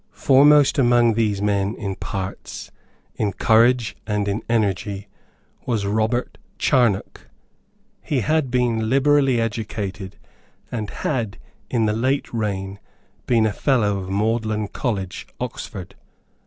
Foremost among these men in parts, in courage and in energy was Robert Charnock. He had been liberally educated, and had, in the late reign, been a fellow of Magdalene College, Oxford.